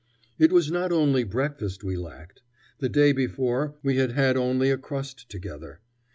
It was not only breakfast we lacked. The day before we had had only a crust together.